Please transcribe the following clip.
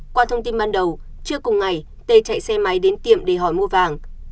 qua thông tin ban đầu trước cùng ngày t chạy xe máy đến tiệm để hỏi mua vàng